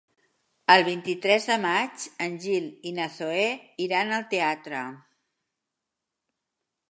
El vint-i-tres de maig en Gil i na Zoè iran al teatre.